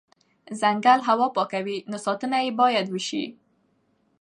ځنګل هوا پاکوي، نو ساتنه یې بایدوشي